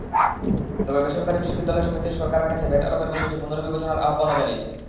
তবে বেসরকারি বিশ্ববিদ্যালয় সমিতি সরকারের কাছে ভ্যাট আরোপের বিষয়টি পুনর্বিবেচনার আহ্বানও জানিয়েছে।